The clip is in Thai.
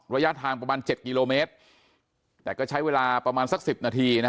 ระยะทางประมาณ๗กิโลเมตรแต่ก็ใช้เวลาประมาณสัก๑๐นาทีนะ